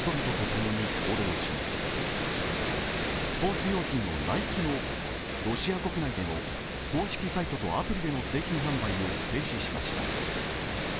スポーツ用品のナイキもロシア国内での公式サイトとアプリでの製品販売を停止しました。